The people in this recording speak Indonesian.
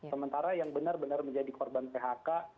sementara yang benar benar menjadi korban phk